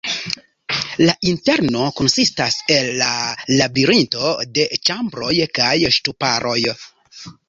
La interno konsistas el labirinto de ĉambroj kaj ŝtuparoj.